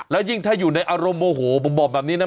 แล้วยิ่งถ้าอยู่ในอารมณ์โมโหผมบอกแบบนี้นะ